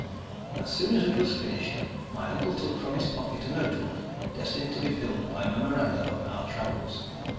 As soon as it was finished, my uncle took from his pocket a notebook destined to be filled by memoranda of our travels.